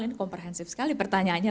ini komprehensif sekali pertanyaannya